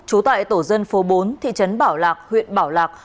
trú tại tổ dân phố bốn thị trấn bảo lạc huyện bảo lạc